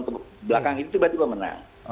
kebelakang itu tiba tiba menang